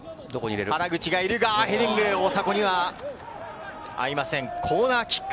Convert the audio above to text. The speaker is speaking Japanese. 原口がいるがヘディング、大迫には合いません。